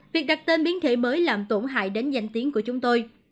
việc đặt tên biến thể mới làm tổn hại đến danh tiếng của chúng tôi